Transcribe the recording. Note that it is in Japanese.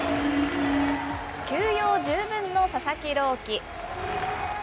休養十分の佐々木朗希。